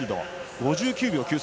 ５９秒９３。